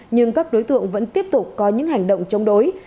nhưng các đối tượng vẫn tiếp tục có những hành động chống đối